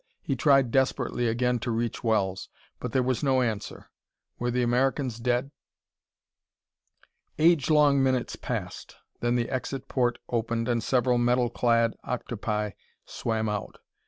He tried desperately again to reach Wells; but there was no answer. Were the Americans dead? Age long minutes passed. Then the exit port opened and several metal clad octopi swam out.